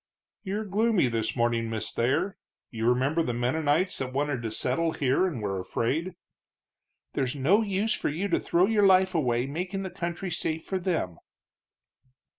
"You're gloomy this morning, Miss Thayer. You remember the Mennonites that wanted to settle here and were afraid?" "There's no use for you to throw your life away making the country safe for them."